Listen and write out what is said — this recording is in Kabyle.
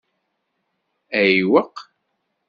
Ayweq?